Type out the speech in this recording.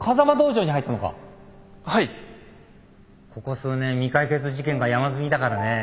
ここ数年未解決事件が山積みだからね。